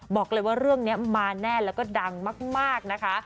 บอกเลยว่าเรื่องนี้มาแน่แล้วก็ดังมากนะคะ